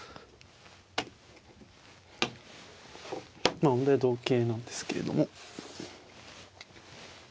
まあで同桂なんですけれども。